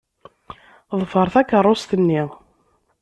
Ḍfer takeṛṛust-nni.